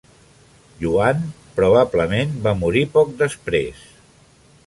Yuan probablement va morir poc després.